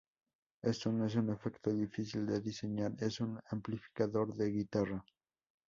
Esto no es un efecto difícil de diseñar en un amplificador de guitarra.